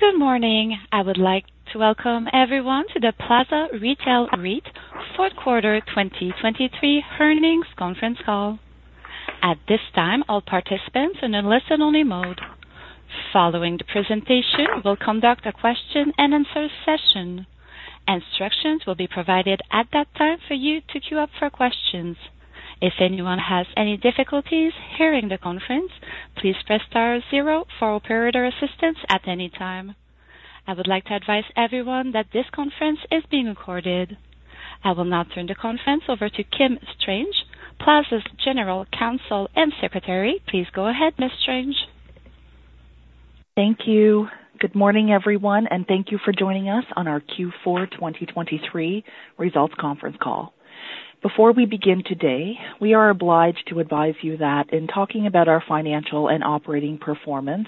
Good morning. I would like to welcome everyone to the Plaza Retail REIT fourth quarter 2023 earnings conference call. At this time, all participants are in a listen-only mode. Following the presentation, we'll conduct a question-and-answer session. Instructions will be provided at that time for you to queue up for questions. If anyone has any difficulties hearing the conference, please press star zero for operator assistance at any time. I would like to advise everyone that this conference is being recorded. I will now turn the conference over to Kim Strange, Plaza's General Counsel and Secretary. Please go ahead, Ms. Strange. Thank you. Good morning, everyone, and thank you for joining us on our Q4 2023 results conference call. Before we begin today, we are obliged to advise you that in talking about our financial and operating performance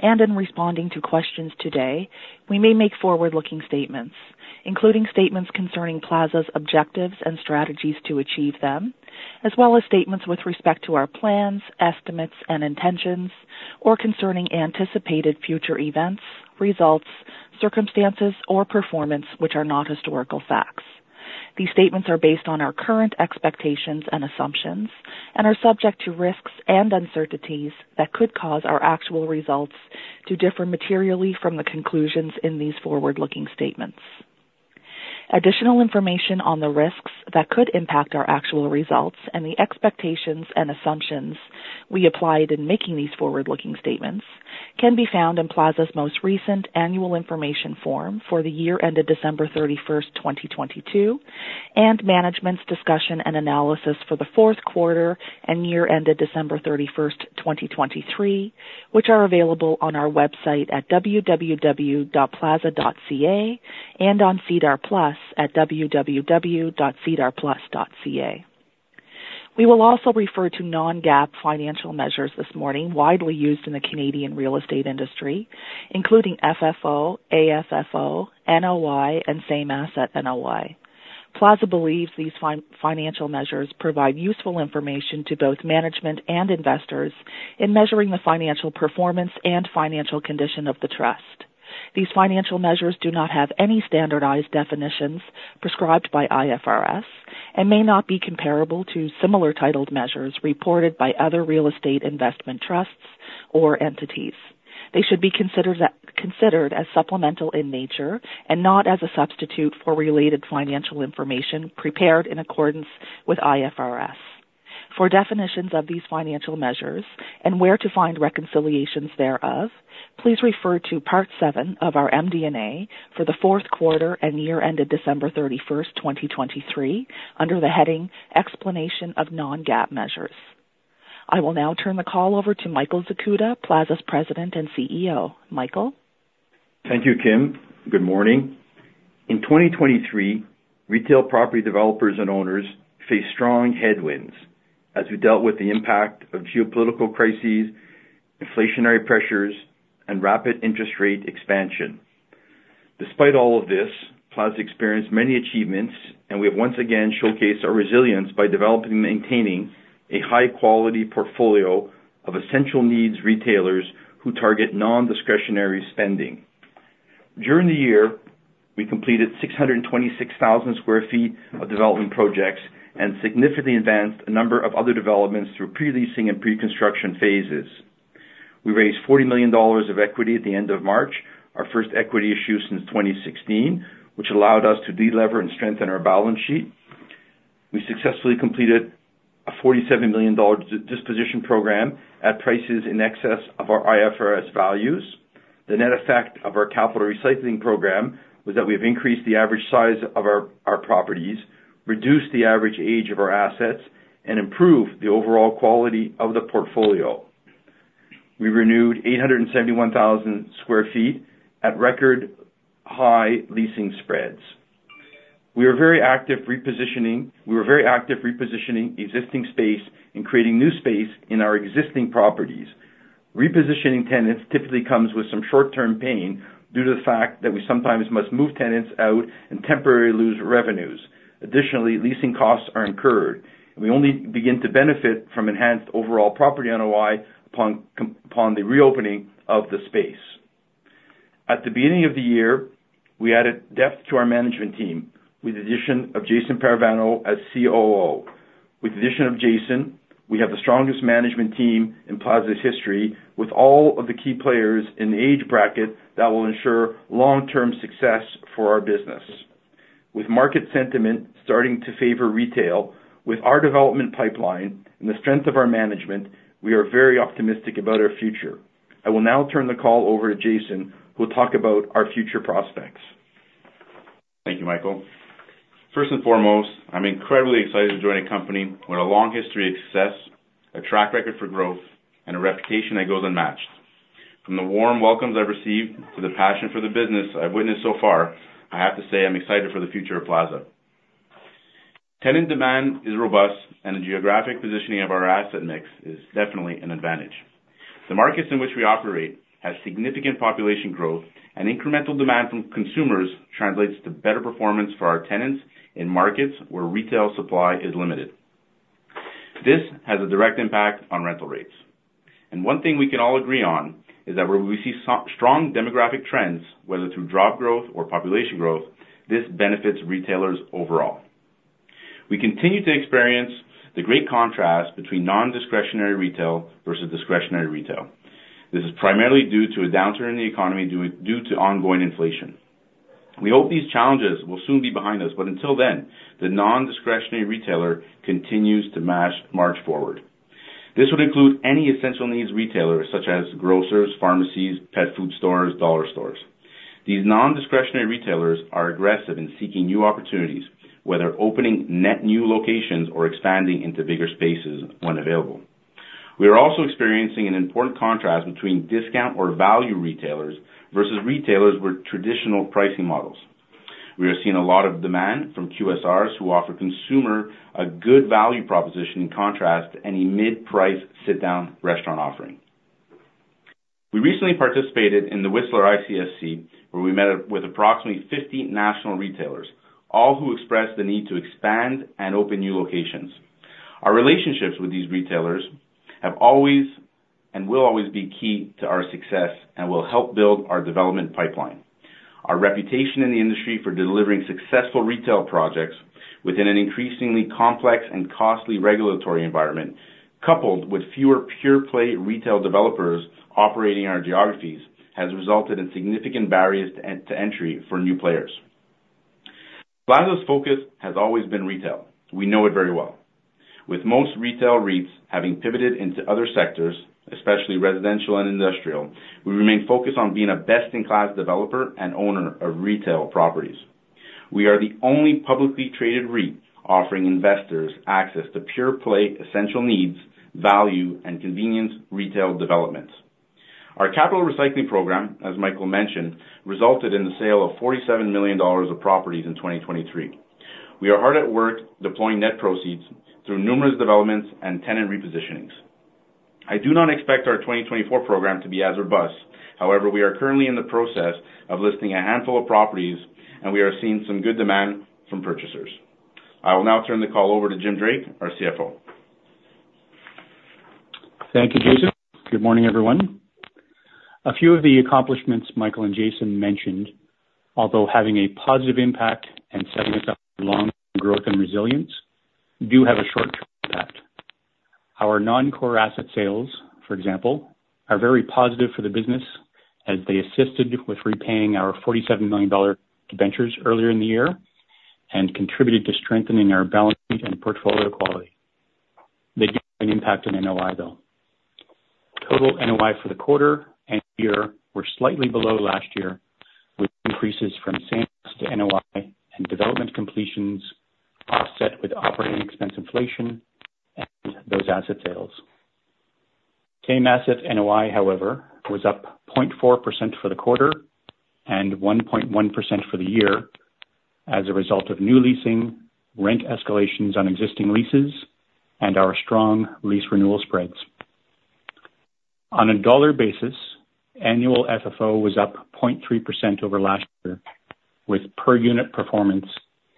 and in responding to questions today, we may make forward-looking statements, including statements concerning Plaza's objectives and strategies to achieve them, as well as statements with respect to our plans, estimates, and intentions, or concerning anticipated future events, results, circumstances, or performance which are not historical facts. These statements are based on our current expectations and assumptions and are subject to risks and uncertainties that could cause our actual results to differ materially from the conclusions in these forward-looking statements. Additional information on the risks that could impact our actual results and the expectations and assumptions we applied in making these forward-looking statements can be found in Plaza's most recent annual information form for the year ended December 31st, 2022, and management's discussion and analysis for the fourth quarter and year ended December 31st, 2023, which are available on our website at www.plaza.ca and on SEDAR+ at www.sedarplus.ca. We will also refer to non-GAAP financial measures this morning widely used in the Canadian real estate industry, including FFO, AFFO, NOI, and same asset NOI. Plaza believes these financial measures provide useful information to both management and investors in measuring the financial performance and financial condition of the trust. These financial measures do not have any standardized definitions prescribed by IFRS and may not be comparable to similar titled measures reported by other real estate investment trusts or entities. They should be considered as supplemental in nature and not as a substitute for related financial information prepared in accordance with IFRS. For definitions of these financial measures and where to find reconciliations thereof, please refer to part seven of our MD&A for the fourth quarter and year ended December 31st, 2023, under the heading Explanation of Non-GAAP Measures. I will now turn the call over to Michael Zakuta, Plaza's President and CEO. Michael? Thank you, Kim. Good morning. In 2023, retail property developers and owners faced strong headwinds as we dealt with the impact of geopolitical crises, inflationary pressures, and rapid interest rate expansion. Despite all of this, Plaza experienced many achievements, and we have once again showcased our resilience by developing and maintaining a high-quality portfolio of essential needs retailers who target nondiscretionary spending. During the year, we completed 626,000 sq ft of development projects and significantly advanced a number of other developments through pre-leasing and pre-construction phases. We raised 40 million dollars of equity at the end of March, our first equity issue since 2016, which allowed us to delever and strengthen our balance sheet. We successfully completed a 47 million dollar disposition program at prices in excess of our IFRS values. The net effect of our capital recycling program was that we have increased the average size of our properties, reduced the average age of our assets, and improved the overall quality of the portfolio. We renewed 871,000 sq ft at record high leasing spreads. We are very active repositioning we were very active repositioning existing space and creating new space in our existing properties. Repositioning tenants typically comes with some short-term pain due to the fact that we sometimes must move tenants out and temporarily lose revenues. Additionally, leasing costs are incurred, and we only begin to benefit from enhanced overall property NOI upon the reopening of the space. At the beginning of the year, we added depth to our management team with the addition of Jason Parravano as COO. With the addition of Jason, we have the strongest management team in Plaza's history with all of the key players in the age bracket that will ensure long-term success for our business. With market sentiment starting to favor retail, with our development pipeline and the strength of our management, we are very optimistic about our future. I will now turn the call over to Jason, who will talk about our future prospects. Thank you, Michael. First and foremost, I'm incredibly excited to join a company with a long history of success, a track record for growth, and a reputation that goes unmatched. From the warm welcomes I've received to the passion for the business I've witnessed so far, I have to say I'm excited for the future of Plaza. Tenant demand is robust, and the geographic positioning of our asset mix is definitely an advantage. The markets in which we operate have significant population growth, and incremental demand from consumers translates to better performance for our tenants in markets where retail supply is limited. This has a direct impact on rental rates. And one thing we can all agree on is that where we see strong demographic trends, whether through drop growth or population growth, this benefits retailers overall. We continue to experience the great contrast between nondiscretionary retail versus discretionary retail. This is primarily due to a downturn in the economy due to ongoing inflation. We hope these challenges will soon be behind us, but until then, the nondiscretionary retailer continues to march forward. This would include any essential needs retailer such as grocers, pharmacies, pet food stores, dollar stores. These nondiscretionary retailers are aggressive in seeking new opportunities, whether opening net new locations or expanding into bigger spaces when available. We are also experiencing an important contrast between discount or value retailers versus retailers with traditional pricing models. We are seeing a lot of demand from QSRs who offer consumer a good value proposition in contrast to any mid-price sit-down restaurant offering. We recently participated in the Whistler ICSC, where we met with approximately 50 national retailers, all who expressed the need to expand and open new locations. Our relationships with these retailers have always and will always be key to our success and will help build our development pipeline. Our reputation in the industry for delivering successful retail projects within an increasingly complex and costly regulatory environment, coupled with fewer pure-play retail developers operating in our geographies, has resulted in significant barriers to entry for new players. Plaza's focus has always been retail. We know it very well. With most retail REITs having pivoted into other sectors, especially residential and industrial, we remain focused on being a best-in-class developer and owner of retail properties. We are the only publicly traded REIT offering investors access to pure-play essential needs, value, and convenience retail developments. Our capital recycling program, as Michael mentioned, resulted in the sale of 47 million dollars of properties in 2023. We are hard at work deploying net proceeds through numerous developments and tenant repositionings. I do not expect our 2024 program to be as robust. However, we are currently in the process of listing a handful of properties, and we are seeing some good demand from purchasers. I will now turn the call over to Jim Drake, our CFO. Thank you, Jason. Good morning, everyone. A few of the accomplishments Michael and Jason mentioned, although having a positive impact and setting us up for long-term growth and resilience, do have a short-term impact. Our non-core asset sales, for example, are very positive for the business as they assisted with repaying our 47 million dollar debentures earlier in the year and contributed to strengthening our balance sheet and portfolio quality. They do have an impact on NOI, though. Total NOI for the quarter and year were slightly below last year with increases from same asset NOI and development completions offset with operating expense inflation and those asset sales. Same asset NOI, however, was up 0.4% for the quarter and 1.1% for the year as a result of new leasing, rent escalations on existing leases, and our strong lease renewal spreads. On a dollar basis, annual FFO was up 0.3% over last year, with per-unit performance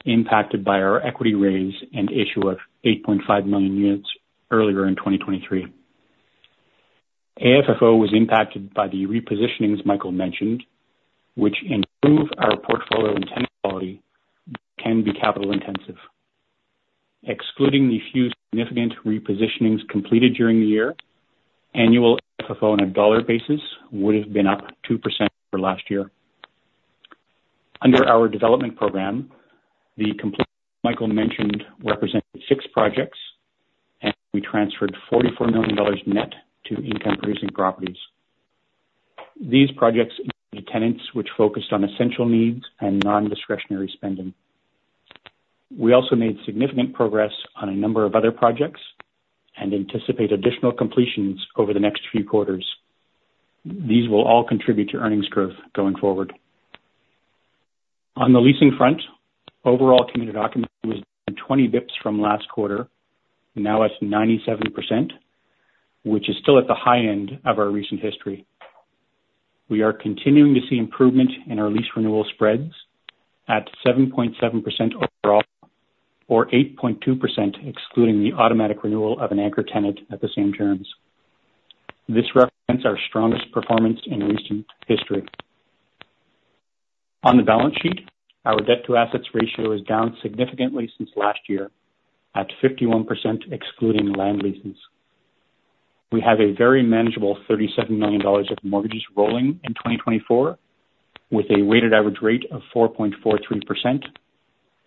impacted by our equity raise and issue of 8.5 million units earlier in 2023. AFFO was impacted by the repositionings Michael mentioned, which improve our portfolio and tenant quality but can be capital-intensive. Excluding the few significant repositionings completed during the year, annual FFO on a dollar basis would have been up 2% over last year. Under our development program, the completion Michael mentioned represented six projects, and we transferred 44 million dollars net to income-producing properties. These projects included tenants which focused on essential needs and nondiscretionary spending. We also made significant progress on a number of other projects and anticipate additional completions over the next few quarters. These will all contribute to earnings growth going forward. On the leasing front, overall committed occupancy was down 20 basis points from last quarter, now at 97%, which is still at the high end of our recent history. We are continuing to see improvement in our lease renewal spreads at 7.7% overall or 8.2% excluding the automatic renewal of an anchor tenant at the same terms. This represents our strongest performance in recent history. On the balance sheet, our debt-to-assets ratio is down significantly since last year at 51% excluding land leases. We have a very manageable 37 million dollars of mortgages rolling in 2024 with a weighted average rate of 4.43%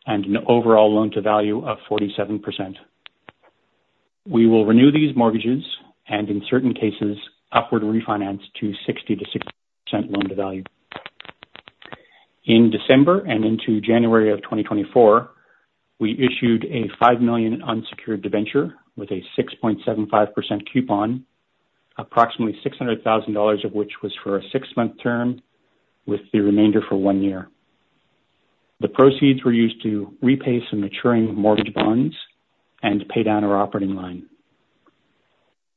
and an overall loan-to-value of 47%. We will renew these mortgages and, in certain cases, upward refinance to 60%-65% loan-to-value. In December and into January of 2024, we issued a 5 million unsecured debenture with a 6.75% coupon, approximately 600,000 dollars of which was for a six-month term with the remainder for one year. The proceeds were used to repay some maturing mortgage bonds and pay down our operating line.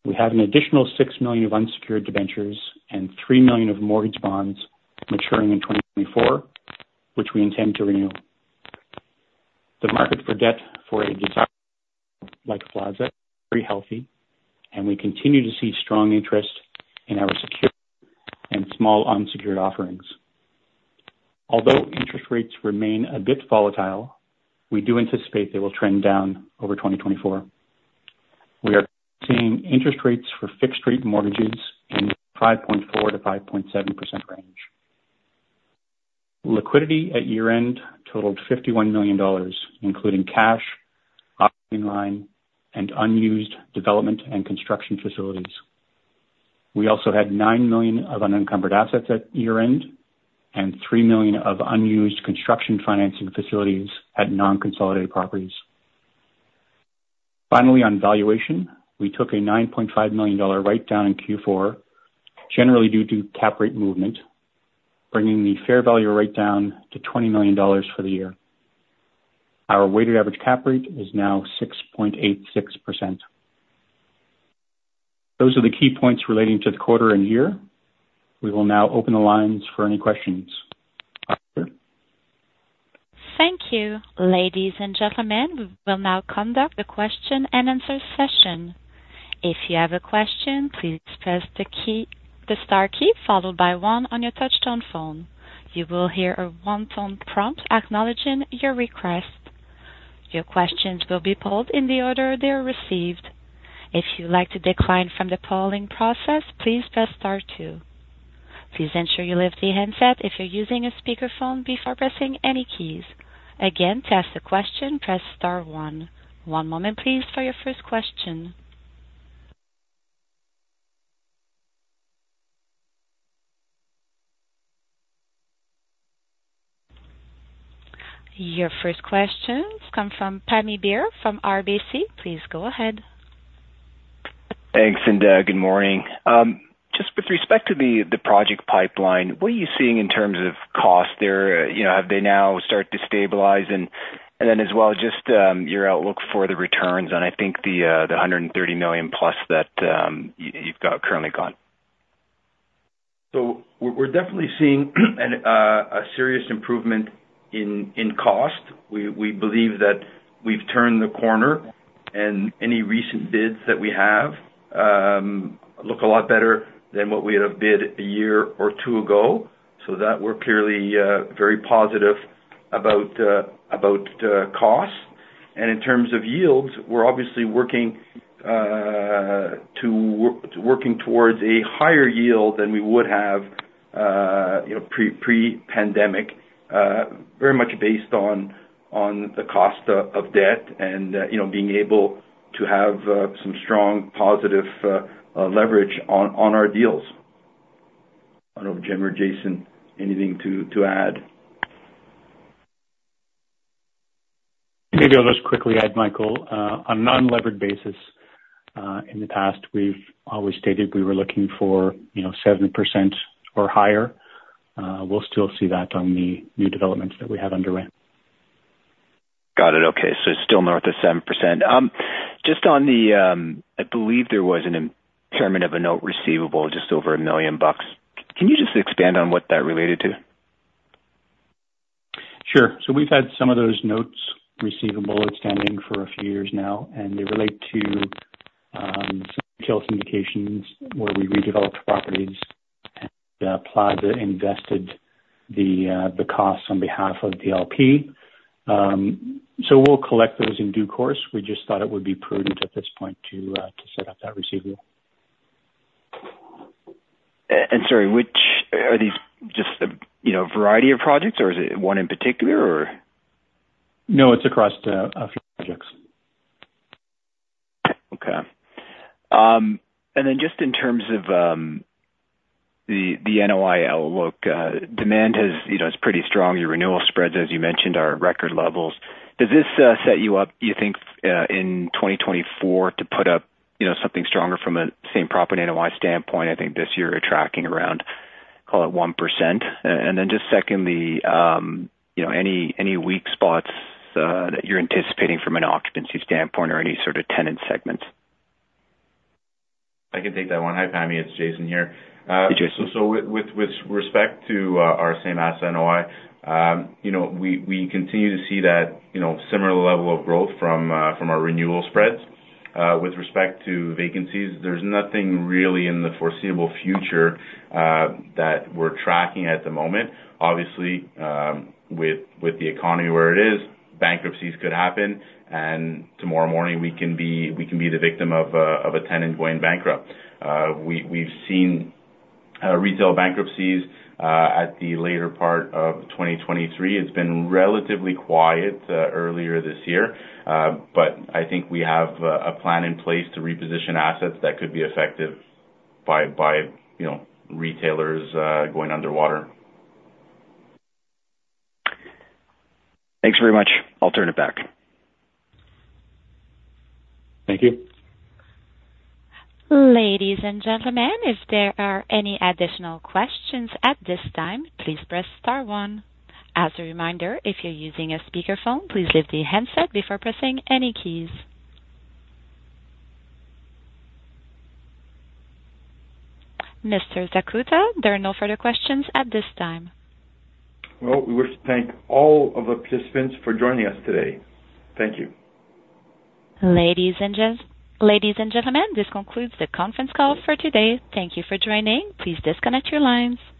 We have an additional 6 million of unsecured debentures and 3 million of mortgage bonds maturing in 2024, which we intend to renew. The market for debt for a REIT like Plaza is very healthy, and we continue to see strong interest in our secured and small unsecured offerings. Although interest rates remain a bit volatile, we do anticipate they will trend down over 2024. We are seeing interest rates for fixed-rate mortgages in the 5.4%-5.7% range. Liquidity at year-end totaled 51 million dollars, including cash, operating line, and unused development and construction facilities. We also had 9 million of unencumbered assets at year-end and 3 million of unused construction financing facilities at non-consolidated properties. Finally, on valuation, we took a 9.5 million dollar write-down in Q4, generally due to cap rate movement, bringing the fair value write-down to 20 million dollars for the year. Our weighted average cap rate is now 6.86%. Those are the key points relating to the quarter and year. We will now open the lines for any questions. Thank you, ladies and gentlemen. We will now conduct the question-and-answer session. If you have a question, please press the star key followed by 1 on your touch-tone phone. You will hear a tone prompt acknowledging your request. Your questions will be polled in the order they are received. If you would like to decline from the polling process, please press star 2. Please ensure you leave the handset if you're using a speakerphone before pressing any keys. Again, to ask a question, press star 1. One moment, please, for your first question. Your first question comes from Pammi Bir from RBC. Please go ahead. Thanks, and good morning. Just with respect to the project pipeline, what are you seeing in terms of cost there? Have they now started to stabilize? And then as well, just your outlook for the returns on, I think, the 130 million-plus that you've currently got. So we're definitely seeing a serious improvement in cost. We believe that we've turned the corner, and any recent bids that we have look a lot better than what we would have bid a year or two ago. So we're clearly very positive about cost. And in terms of yields, we're obviously working towards a higher yield than we would have pre-pandemic, very much based on the cost of debt and being able to have some strong positive leverage on our deals. I don't know if Jim or Jason have anything to add. Maybe I'll just quickly add, Michael. On a non-leveraged basis, in the past, we've always stated we were looking for 70% or higher. We'll still see that on the new developments that we have underway. Got it. Okay. So it's still north of 7%. Just on the, I believe there was an impairment of a note receivable just over 1 million bucks. Can you just expand on what that related to? Sure. So we've had some of those notes receivable outstanding for a few years now, and they relate to some sales indications where we redeveloped properties, and Plaza invested the costs on behalf of the LP. So we'll collect those in due course. We just thought it would be prudent at this point to set up that receivable. Sorry, are these just a variety of projects, or is it one in particular, or? No, it's across a few projects. Okay. And then just in terms of the NOI outlook, demand is pretty strong. Your renewal spreads, as you mentioned, are at record levels. Does this set you up, do you think, in 2024 to put up something stronger from a same-property NOI standpoint? I think this year you're tracking around, call it, 1%. And then just secondly, any weak spots that you're anticipating from an occupancy standpoint or any sort of tenant segments? I can take that one. Hi, Pammy. It's Jason here. Hey, Jason. So with respect to our same asset NOI, we continue to see that similar level of growth from our renewal spreads. With respect to vacancies, there's nothing really in the foreseeable future that we're tracking at the moment. Obviously, with the economy where it is, bankruptcies could happen, and tomorrow morning, we can be the victim of a tenant going bankrupt. We've seen retail bankruptcies at the later part of 2023. It's been relatively quiet earlier this year, but I think we have a plan in place to reposition assets that could be affected by retailers going underwater. Thanks very much. I'll turn it back. Thank you. Ladies and gentlemen, if there are any additional questions at this time, please press star 1. As a reminder, if you're using a speakerphone, please leave the handset before pressing any keys. Mr. Zakuta, there are no further questions at this time. Well, we wish to thank all of the participants for joining us today. Thank you. Ladies and gentlemen, this concludes the conference call for today. Thank you for joining. Please disconnect your lines.